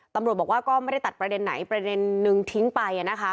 ตำรวจบอกว่าก็ไม่ได้ตัดประเด็นไหนประเด็นนึงทิ้งไป